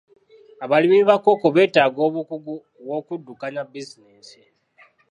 Abalimi ba Kkooko beetaaga obukugu bw'okuddukanya bizinensi.